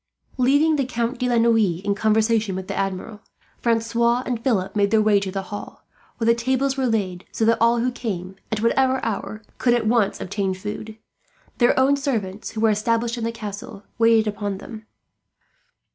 Leaving the Count de la Noue in conversation with the Admiral, Francois and Philip made their way to the hall; where the tables were laid, so that all who came, at whatever hour, could at once obtain food. Their own servants, who were established in the castle, waited upon them.